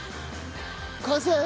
完成！